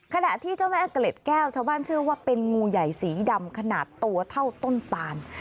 ขณะที่เจ้าแม่เกล็ดแก้วชาวบ้านเชื่อว่าเป็นงูใหญ่สีดำขนาดตัวเท่าต้นตาล